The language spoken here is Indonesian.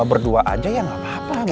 cuma berdua aja ya gapapa